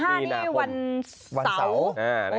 นี่วันเสาร์